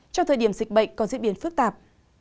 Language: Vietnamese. trong thời điểm dịch bệnh có diễn biến phức tạp